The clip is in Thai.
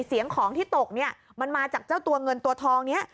เสียงของที่ตกเนี่ยมันมาจากเจ้าตัวเงินตัวทองนี้